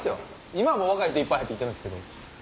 今はもう若い人いっぱい入って来てるんすけど。